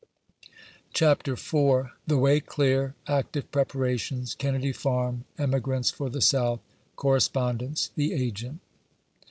CHAPTER IV. THE WAY CLEAR — ACTIVE PREPARATIONS — KENNEDY FARM — EMIGRANTS IOR THE SOOTH — CORRESPONDENCE — THE AGENT.